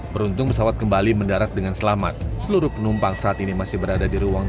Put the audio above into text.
beruntung pesawat kembali mendarat dengan selamat seluruh penumpang saat ini masih berada di ruang